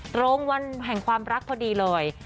ตรงวันแห่งความรักพอดีเลย